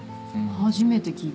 初めて聞いたよ。